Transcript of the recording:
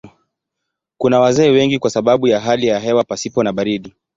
Kuna wazee wengi kwa sababu ya hali ya hewa pasipo na baridi.